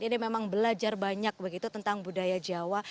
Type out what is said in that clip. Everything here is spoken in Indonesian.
jadi memang belajar banyak begitu tentang budaya jawa